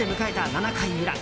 ７回裏。